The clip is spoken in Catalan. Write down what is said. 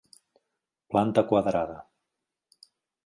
Planta quadrada.